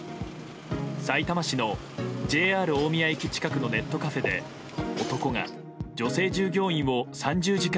さいたま市のＪＲ大宮駅近くのネットカフェで男が女性従業員を３０時間